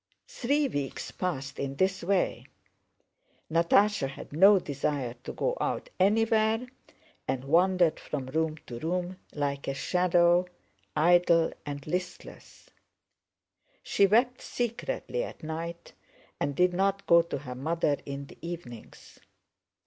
Three weeks passed in this way. Natásha had no desire to go out anywhere and wandered from room to room like a shadow, idle and listless; she wept secretly at night and did not go to her mother in the evenings.